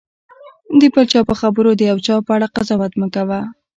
د بل چا په خبرو د یو چا په اړه قضاوت مه کوه.